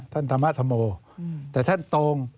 ท่านธรรมธรรมโอแต่ท่านตรง